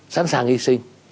sẵn sàng hy sinh